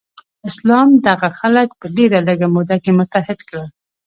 اسلام دغه خلک په ډیره لږه موده کې متحد کړل.